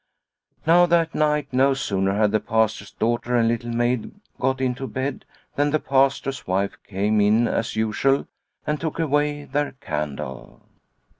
Now that night no sooner had the Pastor's daughter and Little Maid eot into bed than 84 Liliecrona's Home the Pastor's wife came in as usual and took away their candle.